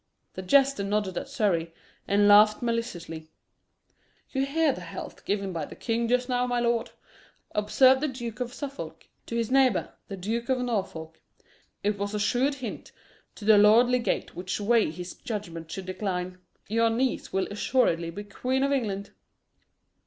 The jester nodded at Surrey, and laughed maliciously. "You heard the health given by the king just now, my lord," observed the Duke of Suffolk to his neighbour the Duke of Norfolk; "it was a shrewd hint to the lord legate which way his judgment should decline. Your niece will assuredly be Queen of England."